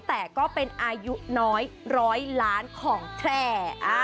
แต่ก็เป็นอายุน้อย๑๐๐ล้านของแพร่